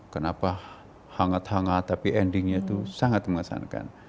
kenapa hangat hangat tapi endingnya itu sangat mengesankan